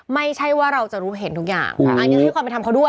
ไม่ใช่ว่าเราจะรู้เห็นทุกอย่างอันนี้คือความเป็นธรรมเขาด้วย